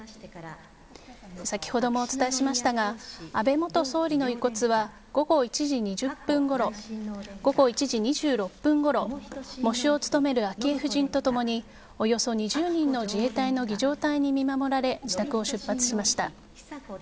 先ほどもお伝えしましたが安倍元総理の遺骨は午後１時２６分ごろ喪主を務める昭恵夫人と共におよそ２０人の自衛隊の儀仗隊に見守られ自宅を出発しました。